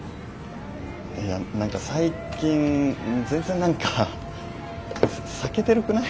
いや何か最近全然何か避けてるくない？